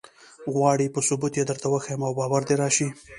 غواړې په ثبوت یې درته وښیم او باور دې راشي.